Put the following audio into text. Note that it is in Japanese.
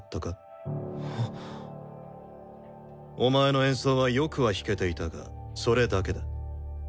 お前の演奏はよくは弾けていたがそれだけだ。